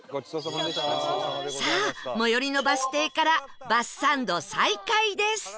さあ最寄りのバス停からバスサンド再開です